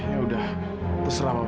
ya udah terserah mama